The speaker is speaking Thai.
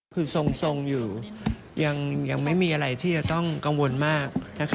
คือทรงอยู่ยังไม่มีอะไรที่จะต้องกังวลมาก